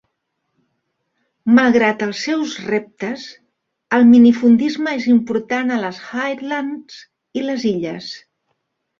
Malgrat els seus reptes, el minifundisme és important a les Highlands i les Illes.